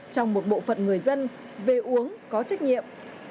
trong một bộ phận người dân về uống có trách nhiệm